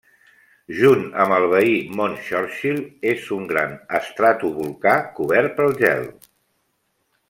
Junt amb el veí Mont Churchill és un gran estratovolcà cobert per gel.